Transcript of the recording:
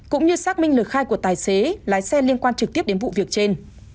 cũng như xác minh lời khai của tài xế lái xe liên quan trực tiếp đến vụ việc trên